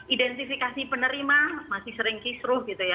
identifikasi penerima masih sering kisruh gitu ya